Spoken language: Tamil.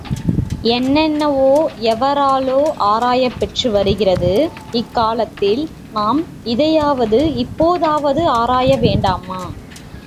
என்னென்னவோ எவராலோ ஆராயப்பெற்று வருகிற இக் காலத்தில், நாம் இதையாவது இப்போதாவது ஆராய வேண்டாமா?